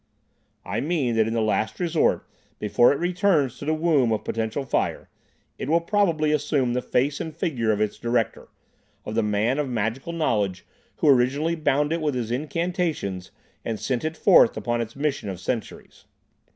"I mean that in the last resort, before it returns to the womb of potential fire, it will probably assume the face and figure of its Director, of the man of magical knowledge who originally bound it with his incantations and sent it forth upon its mission of centuries."